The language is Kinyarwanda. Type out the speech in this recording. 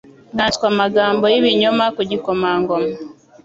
nkanswe amagambo y’ibinyoma ku gikomangoma